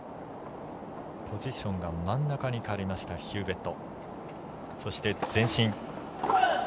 ポジションが真ん中に変わりましたヒューウェット。